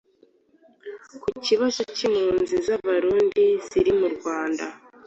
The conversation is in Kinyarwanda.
ku cyibazo cy'impunzi z'Abarundi ziri mu Rwanda